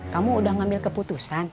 kamu udah ngambil keputusan